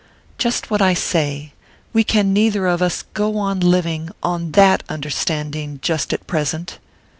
"Just what I say. We can neither of us go on living on that understanding just at present."